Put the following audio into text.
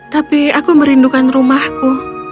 tapi aku merindukan rumahku